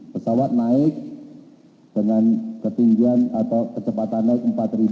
pesawat naik dengan ketinggian atau kecepatan naik empat ratus